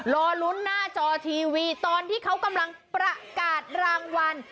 รอลุ้นหน้าจอทีวีตอนที่เขากำลังประกาศรางวัล